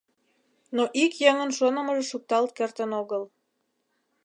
Но ик еҥын шонымыжо шукталт кертын огыл.